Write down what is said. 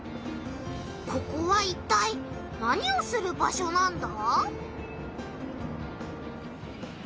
ここはいったい何をする場所なんだ？